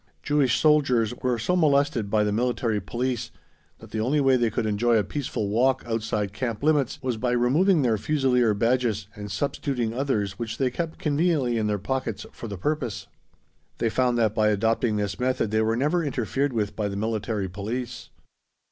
Jewish soldiers were so molested by the Military Police that the only way they could enjoy a peaceful walk outside camp limits was by removing their Fusilier badges and substituting others which they kept conveniently in their pockets for the purpose. They found that by adopting this method they were never interfered with by the Military Police.